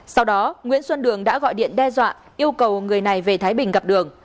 sau đó nguyễn xuân đường đã gọi điện đe dọa yêu cầu người này về thái bình gặp đường